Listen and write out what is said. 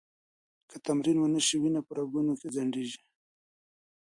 که تمرین ونه شي، وینه په رګونو کې ځنډېږي.